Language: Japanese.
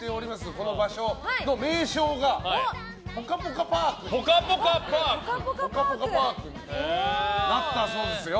この場所の名称がぽかぽかパークになったそうですよ。